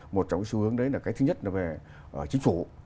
một trong cái xu hướng đấy là cái thứ nhất là về chính phủ